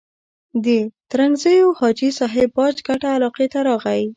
د ترنګزیو حاجي صاحب باج کټه علاقې ته راغی.